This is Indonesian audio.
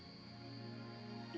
ibu tuh sekarang udah berubah